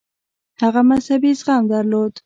هغه مذهبي زغم درلود.